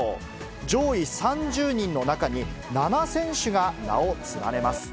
上位３０人の中に、７選手が名を連ねます。